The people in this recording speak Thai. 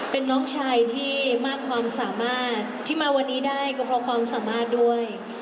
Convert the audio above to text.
เป็นน้องชายที่มากความสามารถที่มาวันนี้ได้ก็เพราะความสามารถด้วย